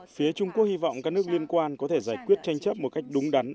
phía trung quốc hy vọng các nước liên quan có thể giải quyết tranh chấp một cách đúng đắn